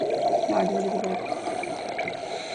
Yardım edebilirim.